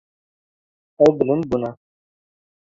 Ew bilind bûne.